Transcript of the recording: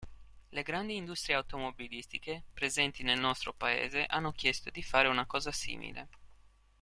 Le grandi industrie automobilistiche, presenti nel nostro paese, hanno chiesto di fare una cosa simile.